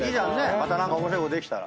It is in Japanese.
また何か面白いことできたら。